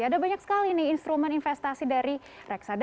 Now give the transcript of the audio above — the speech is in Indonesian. ada banyak sekali nih instrumen investasi dari reksadana emas